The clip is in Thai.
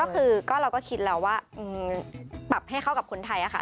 ก็คือเราก็คิดแล้วว่าปรับให้เข้ากับคนไทยค่ะ